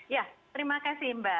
ya terima kasih mbak